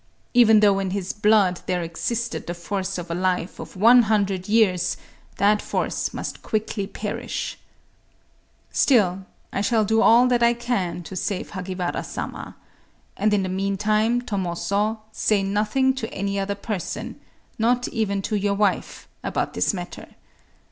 Even though in his blood there existed the force of a life of one hundred years, that force must quickly perish…. Still, I shall do all that I can to save Hagiwara Sama. And in the meantime, Tomozō, say nothing to any other person,—not even to your wife,—about this matter.